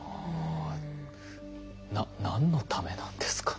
何のためなんですかね？